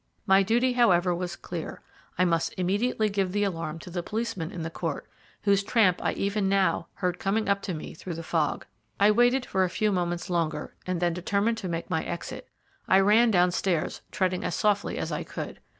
My duty, however, was clear. I must immediately give the alarm to the policeman in the court, whose tramp I even now heard coming up to me through the fog. I waited for a few moments longer, and then determined to make my exit. I ran downstairs, treading as softly as I could.